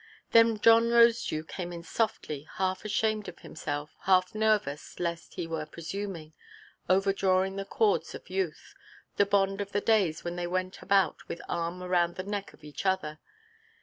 Then John Rosedew came in softly, half ashamed of himself, half nervous lest he were presuming, overdrawing the chords of youth, the bond of the days when they went about with arm round the neck of each other.